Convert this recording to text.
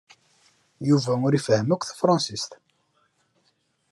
Yuba ur ifehhem akk tafṛensist.